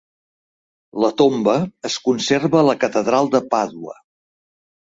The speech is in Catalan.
La tomba es conserva a la catedral de Pàdua.